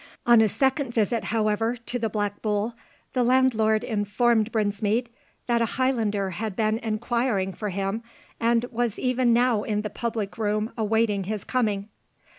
On a second visit, however, to the Black Bull, the landlord informed Brinsmead that a Highlander had been inquiring for him, and was even now in the public room awaiting his coming.